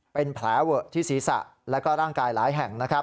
เป็นแผลเวอะที่ศีรษะและร่างกายหลายแห่ง